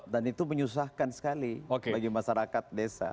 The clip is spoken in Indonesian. dan itu menyusahkan sekali bagi masyarakat desa